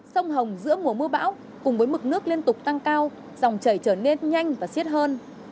sông hồng giữa mùa mưa bão cùng với mực nước liên tục tăng cao dòng chảy trở nên nhanh và xiết hơn